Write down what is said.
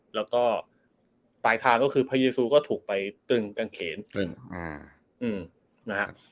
แล้วก็ปลายทางก็คือพยูซูก็ถูกไปตึงกางเขนตึงนะฮะ